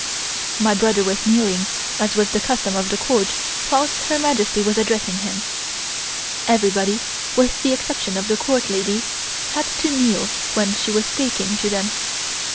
My brother was kneeling, as was the custom of the Court, whilst Her Majesty was addressing him. Everybody, with the exception of the Court ladies, had to kneel when she was speaking to them.